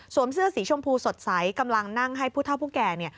เสื้อสีชมพูสดใสกำลังนั่งให้ผู้เท่าผู้แก่เนี่ย